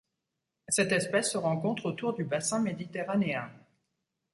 Cette espèce se rencontre autour du bassin méditerranéen.